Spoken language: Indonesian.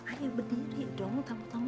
ayo berdiri dong tamu tamu